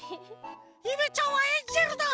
ゆめちゃんはエンジェルだ！